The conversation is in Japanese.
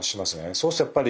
そうするとやっぱり。